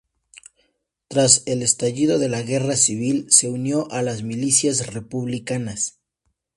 Tras el estallido de la Guerra civil se unió a las milicias republicanas.